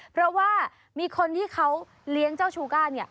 เพราะว่ามีคนที่เขาเลี้ยงเจ้าชูก้าเนี่ย